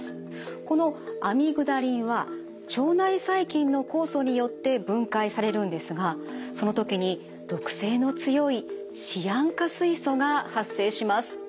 このアミグダリンは腸内細菌の酵素によって分解されるんですがその時に毒性の強いシアン化水素が発生します。